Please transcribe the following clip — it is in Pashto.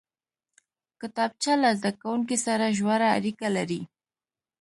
کتابچه له زده کوونکي سره ژوره اړیکه لري